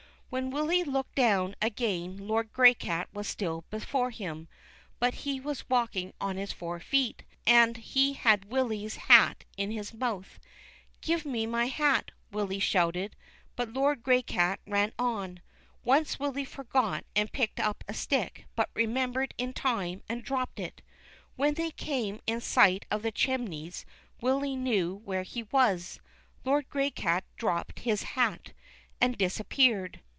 When Willy looked down again Lord Graycat was still before him, but he was walking on his four feet, and he had Willy's hat in his mouth. "Give me my hat," Willy shouted, but Lord Graycat ran on. Once Willy forgot and picked up a stick, but remembered in time, and dropped it. When they came in sight of the chimneys Willy knew where he was. Lord Graycat dropped his hat and disappeared.